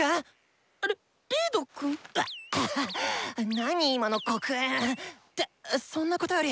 なに今の黒煙。ってそんなことより！